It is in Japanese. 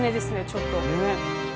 ちょっと。